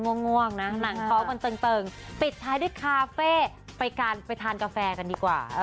ง่วงนะหนังท้องกันเติงปิดท้ายด้วยคาเฟ่ไปการไปทานกาแฟกันดีกว่า